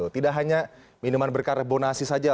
tidak hanya minuman berkarbonasi saja